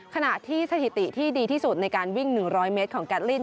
ขณะที่สถิติที่ดีที่สุดในการวิ่ง๑๐๐เมตรของแก๊ลิน